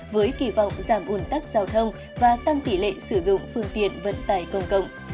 với kỳ vọng giảm ủn tắc giao thông và tăng tỷ lệ sử dụng phương tiện vận tải công cộng